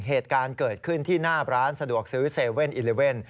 เหตุการณ์เกิดขึ้นที่หน้าร้านสะดวกซื้อ๗๑๑